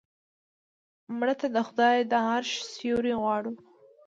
مړه ته د خدای د عرش سیوری غواړو